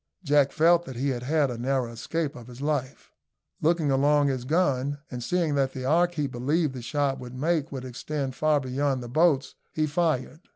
Jack felt that he had had a narrow escape of his life. Looking along his gun, and seeing that the arc he believed the shot would make would extend far beyond the boats, he fired.